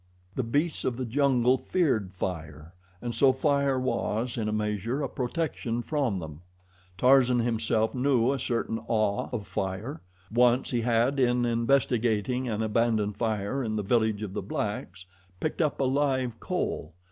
The beasts of the jungle feared fire, and so fire was, in a measure, a protection from them. Tarzan himself knew a certain awe of fire. Once he had, in investigating an abandoned fire in the village of the blacks, picked up a live coal.